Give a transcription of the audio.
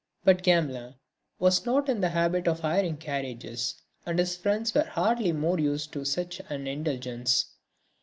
But Gamelin was not in the habit of hiring carriages and his friends were hardly more used to such an indulgence.